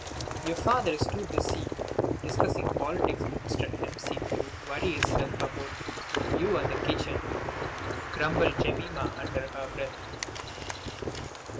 "Your father is too busy discussing politics with Mr. 'Empseed to worry 'isself about you and the kitchen," grumbled Jemima under her breath.